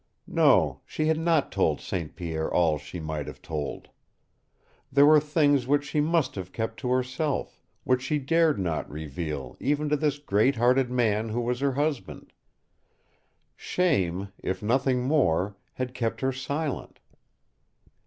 No, she had not told St. Pierre all she might have told! There were things which she must have kept to herself, which she dared not reveal even to this great hearted man who was her husband. Shame, if nothing more, had kept her silent.